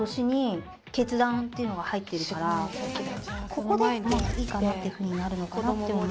ここでまあいいかなっていうふうになるのかなって思う。